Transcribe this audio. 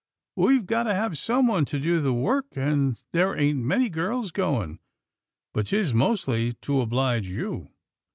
We've got to have someone to do the work, and there ain't many girls going — but 'tis mostly to obHge you."